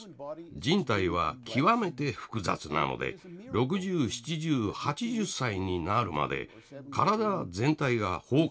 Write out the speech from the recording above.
人体は極めて複雑なので６０７０８０歳になるまで体全体が崩壊しないなんて奇跡です。